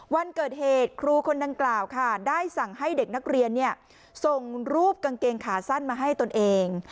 วันเกิดเหตุครูคนดังกล่าวค่ะได้สั่งให้เด็กนักเรียนส่งรูปกางเกงขาสั้นมาให้ตนเอง